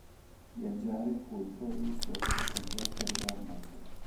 Viaggiare fu il solo lusso che si concesse regolarmente.